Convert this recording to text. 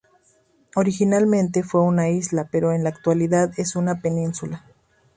Originalmente fue una isla, pero en la actualidad es una península.